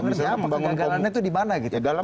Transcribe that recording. nah misalnya pembangunan kegagalannya itu di mana gitu